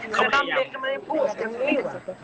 ทำเด็กก็ไม่พูดแมมมี